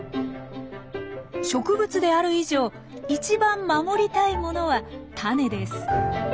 植物である以上いちばん守りたいものはタネです。